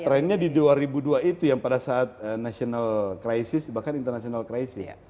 trendnya di dua ribu dua itu yang pada saat nasional krisis bahkan international krisis